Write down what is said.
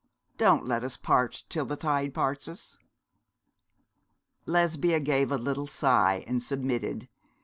Don't let us part till the tide parts us.' Lesbia gave a little sigh, and submitted.